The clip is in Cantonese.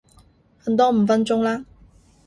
瞓多五分鐘啦